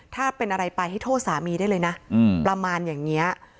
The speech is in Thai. ถ้าเป็นอะไรไปให้โทษสามีได้เลยนะประมาณอย่างนี้